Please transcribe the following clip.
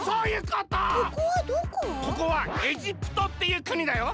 ここはエジプトっていうくにだよ。